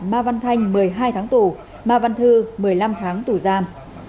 ma văn thanh một mươi hai tháng tù ma văn thư một mươi năm tháng tù giam